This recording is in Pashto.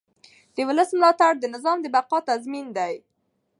د ولس ملاتړ د نظام د بقا تضمین دی